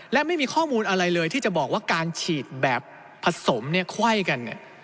และไม่มีข้อมูลอะไรเลยที่จะบอกว่าการฉีดแบบผสมเนี่ยไขว้กัน